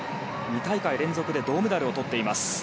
２大会連続で銅メダルをとっています。